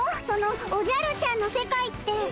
そのおじゃるちゃんの世界って。